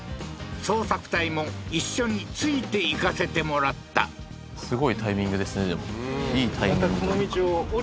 捜索隊も一緒についていかせてもらったすごいタイミングですね